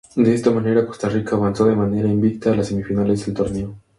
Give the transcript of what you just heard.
De esta manera, Costa Rica avanzó de manera invicta a las semifinales del torneo.